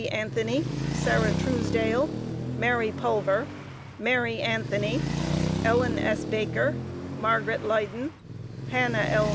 Anthony, Sarah Truesdale, Mary Pulver, Mary Anthony, Ellen S. Baker, Margaret Leyden, Hannah L.